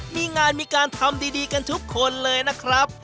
มีงานมีการทำดีกันทุกคนเลยนะครับ